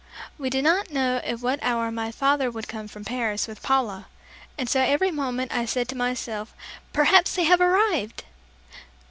We did not know at what hour my father would come from Paris with Paula, and so every moment I said to myself, "Perhaps they have arrived!"